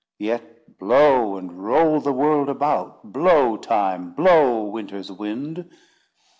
"Yet blow, and roll the world about; Blow, Time—blow, winter's Wind!